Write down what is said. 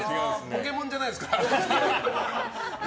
ポケモンじゃないですから。